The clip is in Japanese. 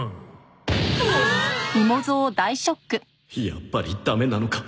やっぱりダメなのか。